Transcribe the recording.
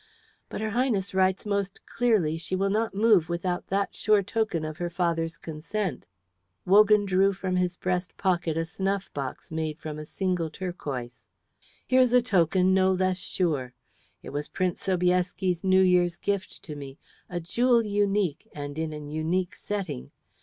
"But her Highness writes most clearly she will not move without that sure token of her father's consent." Wogan drew from his breast pocket a snuff box made from a single turquoise. "Here's a token no less sure. It was Prince Sobieski's New Year's gift to me, a jewel unique and in an unique setting.